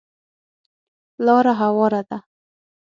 لاره هواره ده .